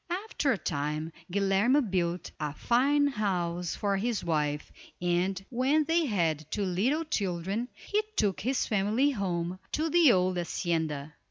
After a time, Guilerme built a fine house for his wife, and, when they had two little children, he took his family home to the old hacienda.